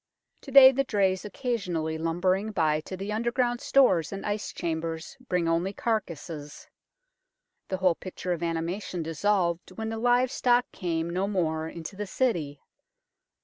To day the drays occasionally lumbering by to the underground stores and ice chambers bring only carcases. The whole picture of anima tion dissolved when the live stock came no more into the City.